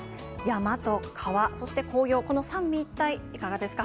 山と川とそして紅葉、三位一体いかがですか？